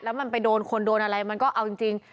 แล้วมันไปโดนคนโดนอะไรมันก็เอาจริง